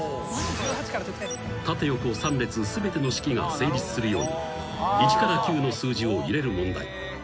［縦横３列全ての式が成立するように１から９の数字を入れる問題］